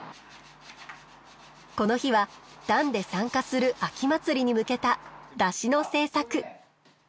この日は団で参加する秋祭りに向けた山車の制作。